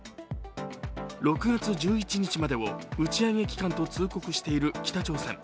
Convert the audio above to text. ６月１１日までを打ち上げ期間と通告している北朝鮮。